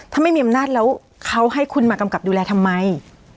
ถ้าไม่มีอำนาจแล้วเขาให้คุณมากำกับดูแลทำไม